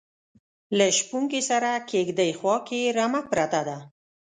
لکه شپونکي سره کیږدۍ خواکې رمه پرته ده